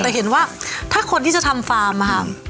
แต่เห็นว่าถ้าคนที่จะทำฟาร์มค่ะ